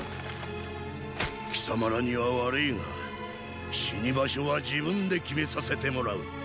貴様らには悪いが死に場所は自分で決めさせてもらう。